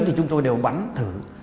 thì chúng tôi đều bắn thử